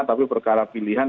tapi perkara pilihan